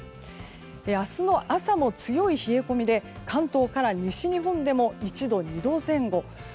明日の朝も強い冷え込みで関東から西日本でも１度、２度前後。